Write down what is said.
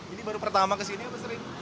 ini baru pertama kesini atau sering